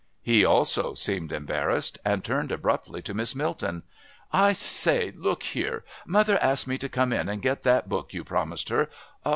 He also seemed embarrassed, and turned abruptly to Miss Milton. "I say, look here.... Mother asked me to come in and get that book you promised her.